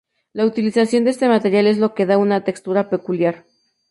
La utilización de este material es lo que le da una textura peculiar.